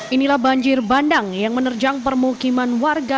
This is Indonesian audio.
inilah banjir bandang yang menerjang permukiman warga